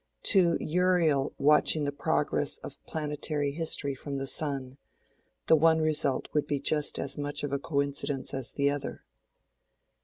To Uriel watching the progress of planetary history from the sun, the one result would be just as much of a coincidence as the other.